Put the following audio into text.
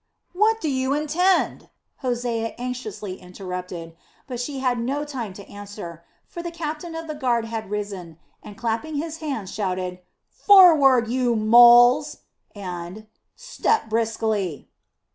"What do you intend?" Hosea anxiously interrupted; but she had no time to answer; for the captain of the guard had risen and, clapping his hands, shouted: "Forward, you moles!" and "Step briskly."